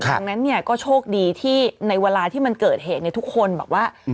ตรงนั้นเนี่ยก็โชคดีที่ในเวลาที่มันเกิดเหตุในทุกคนแบบว่า